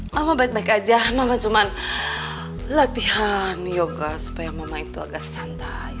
mama baik baik aja mama cuma latihan yoga supaya mama itu agak santai